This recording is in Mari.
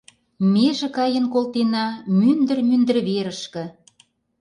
Меже каен колтена Мӱндыр-мӱндыр верышке.